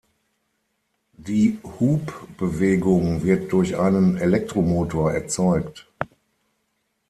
Die Hub-Bewegung wird durch einen Elektromotor erzeugt.